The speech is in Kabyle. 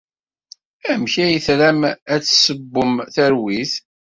Amek ay tram ad d-tessewwem tarwit?